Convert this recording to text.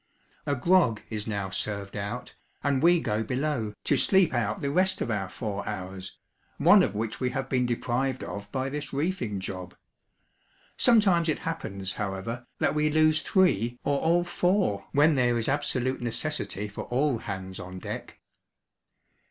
A grog is now served out, and we go below, to sleep out the rest of our four hours, one of which we have been deprived of by this reefing job. Sometimes it happens, however, that we lose three, or all four, when there is absolute necessity for all hands on deck.